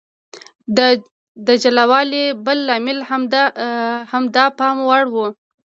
د جلا والي بل لامل هم د پام وړ و.